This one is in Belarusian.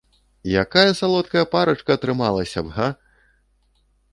Якая салодкая парачка атрымалася б, га?!